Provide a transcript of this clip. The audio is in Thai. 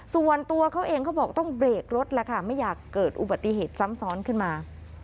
ส่วนตัวเขาเองเขาบอกต้องเบรกรถแล้วค่ะไม่อยากเกิดอุบัติเหตุซ้ำซ้อนขึ้นมา